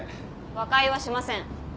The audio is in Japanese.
和解はしません。